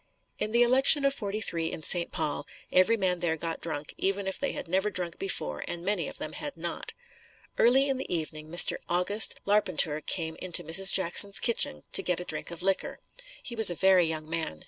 In the election of '43 in St. Paul, every man there got drunk even if they had never drunk before and many of them had not. Early in the evening, Mr. August Larpenteur came into Mrs. Jackson's kitchen to get a drink of liquor. He was a very young man.